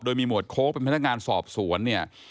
โดยมีหวดโค้กเป็นพนักงานสอบสวนเนี่ย